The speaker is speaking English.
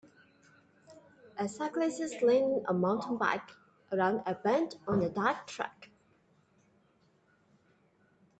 A cyclist is leaning a mountain bike around a bend on a dirt track.